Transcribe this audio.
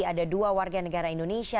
ada dua warga negara indonesia